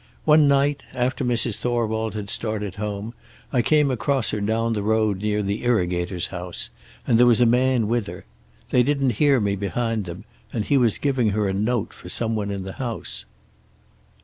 One night, after Mrs. Thorwald had started home, I came across her down the road near the irrigator's house, and there was a man with her. They didn't hear me behind them, and he was giving her a note for some one in the house."